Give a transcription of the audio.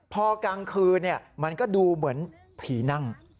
พอกลางคืนมันก็ดูเหมือนผีนั่ง